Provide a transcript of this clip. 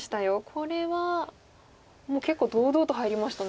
これはもう結構堂々と入りましたね。